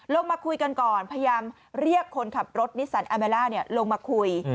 ลงมาคุยกันก่อนพยายามเรียกคนขับรถนิสันอาเมล่าลงมาคุย